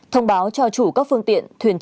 thông báo cho chủ các phương tiện